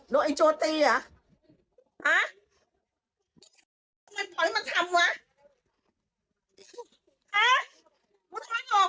โดนไอ้โจ๊ะตีเหรอ